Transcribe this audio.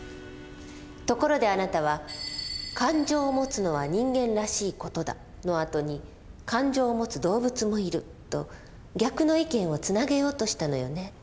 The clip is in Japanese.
ところであなたは「感情を持つのは人間らしい事だ」の後に「感情を持つ動物もいる」と逆の意見をつなげようとしたのよね。